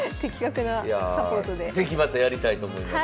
是非またやりたいと思います。